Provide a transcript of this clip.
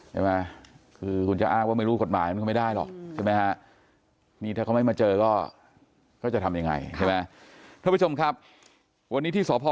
ไปแจ้งความผิดประมาทนายชายพนวิพาต